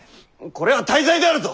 これは大罪であるぞ！